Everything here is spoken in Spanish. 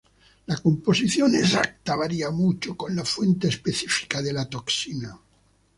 La composición exacta varía mucho con la fuente específica de la toxina.